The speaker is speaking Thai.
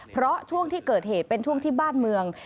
เพราะช่วงที่เกิดเหตุเป็นช่วงที่บ้านเมือง